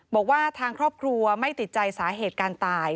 บอกว่าทางครอบครัวไม่ติดใจสาเหตุการตาย